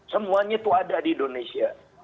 semuanya itu ada di indonesia